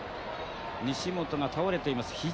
西本が倒れています。